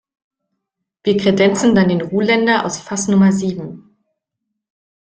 Wir kredenzen dann den Ruländer aus Fass Nummer sieben.